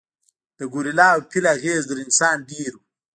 د ګورېلا او فیل اغېز تر انسان ډېر و.